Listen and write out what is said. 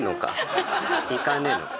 行かねえのか？